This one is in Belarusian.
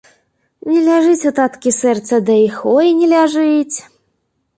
Не ляжыць у таткі сэрца да іх, ой не ляжыць!